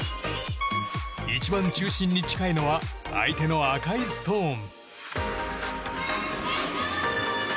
一番中心に近いのは相手の赤いストーン。